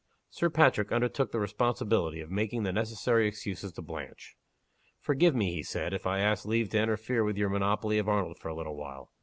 Sir Patrick undertook the responsibility of making the necessary excuses to Blanche. "Forgive me," he said, "if I ask leave to interfere with your monopoly of Arnold for a little while.